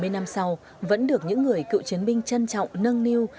bảy mươi năm sau vẫn được những người cựu chiến binh trân trọng nâng niu